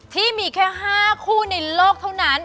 ที่มีแค่๕คู่ในโลกเท่านั้น